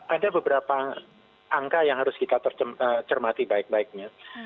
ada beberapa angka yang harus kita cermati baik baiknya